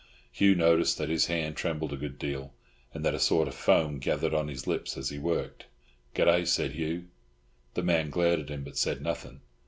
Hugh noticed that his hand trembled a good deal, and that a sort of foam gathered on his lips as he worked. "Good day," said Hugh. The man glared at him, but said nothing.